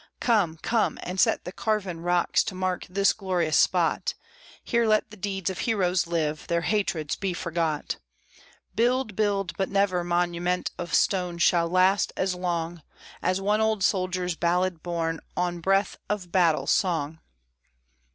Come, come, and set the carven rocks to mark this glorious spot; Here let the deeds of heroes live, their hatreds be forgot. Build, build, but never monument of stone shall last as long As one old soldier's ballad borne on breath of battle song.